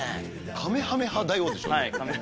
カメハメハ大王でしょ。